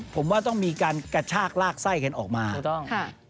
ผมว่าต้องมีการกระชากราคไส้เข้นออกมาแครกต้อมดีโอเคซบ่ะค่ะ